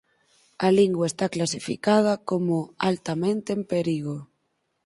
A lingua está clasificada como "altamente en perigo".